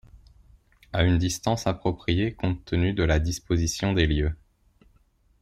À une distance appropriée, compte tenu de la disposition des lieux.